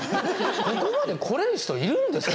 ここまで来れる人いるんですか？